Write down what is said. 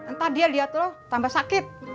ntar dia liat lu tambah sakit